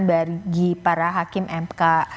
bagi para hakim mk